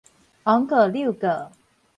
王哥柳哥